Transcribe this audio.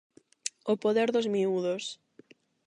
O poder dos Miúdos.